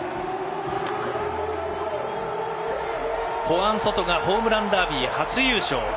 ホアン・ソトがホームランダービー初優勝。